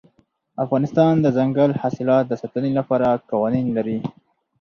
افغانستان د دځنګل حاصلات د ساتنې لپاره قوانین لري.